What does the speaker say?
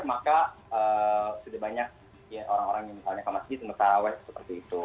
maka sudah banyak orang orang yang misalnya ke masjid sama taraweh seperti itu